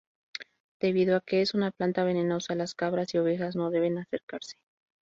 Debido a que es una planta venenosa, las cabras y ovejas no deben acercarse.